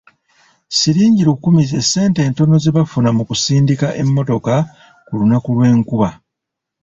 Siringi lukumu ze ssente entono ze bafuna mu kusindika emmotoka ku lunaku lw'enkuba.